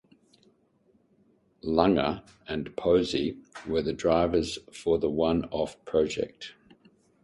Lunger and Posey were the drivers for the one off project.